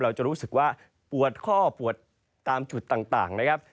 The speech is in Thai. เราจะรู้สึกว่าปวดข้อปวดตามจุดต่างนะครับ